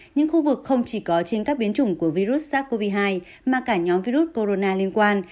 những khu vực không chỉ có trên các biến chủng của virus sars cov hai mà cả nhóm virus corona liên quan